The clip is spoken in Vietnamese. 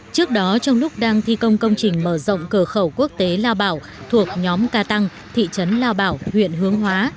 trước đó trong lúc đang thi công công trình mở rộng cửa khẩu quốc tế lao bảo thuộc nhóm ca tăng thị trấn lao bảo huyện hướng hóa